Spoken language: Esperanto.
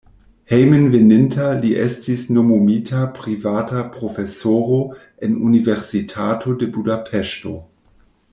Hejmenveninta li estis nomumita privata profesoro en Universitato de Budapeŝto.